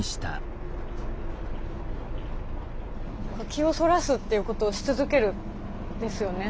気をそらすっていうことをし続けるんですよね